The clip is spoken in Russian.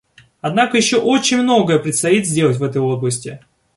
Однако еще очень многое предстоит сделать в этой области.